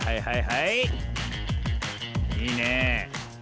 いいね。